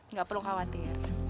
nggak perlu khawatir